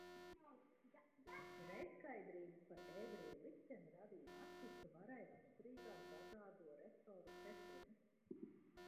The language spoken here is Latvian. Neskaidrību par ebreju likteni radīja nacistu varai raksturīgās dažādo resoru pretrunas.